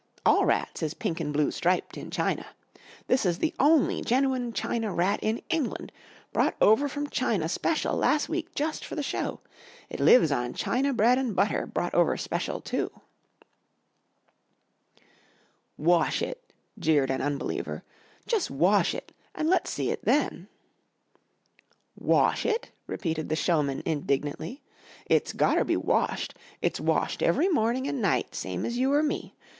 All rats is pink an' blue striped in China. This is the only genwin China rat in England brought over from China special las' week jus' for the show. It lives on China bread an' butter brought over special, too." [Illustration: WILLIAM WAS AN IMPOSING FIGURE.] "Wash it!" jeered an unbeliever. "Jus' wash it an' let's see it then." "Wash it?" repeated the showman indignantly. "It's gotter be washed. It's washed every morning an' night same as you or me.